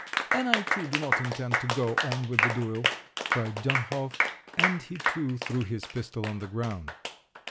"And I too do not intend to go on with the duel," cried Dönhof, and he too threw his pistol on the ground.